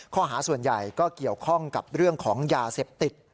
ข้อหาส่วนใหญ่ก็เกี่ยวข้องกับเรื่องของยาเสพติด